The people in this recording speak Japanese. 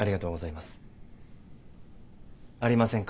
ありませんか？